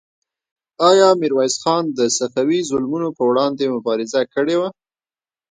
آیا میرویس خان د صفوي ظلمونو پر وړاندې مبارزه کړې وه؟